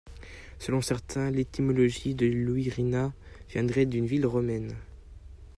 Selon certains, l'étymologie de Lourinhã viendrait d'une ville romaine '.